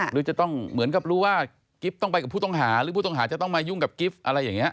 หรือจะต้องเหมือนกับรู้ว่ากิ๊บต้องไปกับผู้ต้องหาหรือผู้ต้องหาจะต้องมายุ่งกับกิฟต์อะไรอย่างนี้